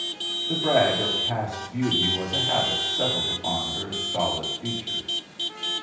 The brag of past beauty was a habit settled upon her stolid features.